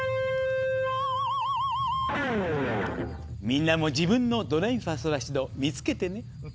みんなも自分の「ドレミファソラシド」見つけてね。